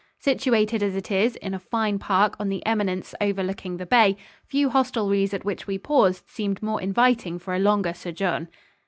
Situated as it is, in a fine park on the eminence overlooking the bay, few hostelries at which we paused seemed more inviting for a longer sojourn.